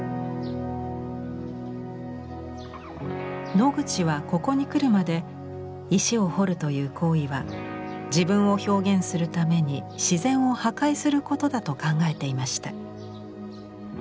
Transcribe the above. ノグチはここに来るまで石を彫るという行為は自分を表現するために自然を破壊することだと考えていました。